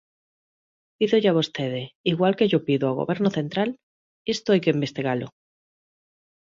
Pídolle a vostede, igual que llo pido ao Goberno central: isto hai que investigalo.